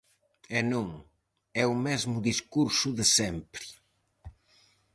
E non, é o mesmo discurso de sempre.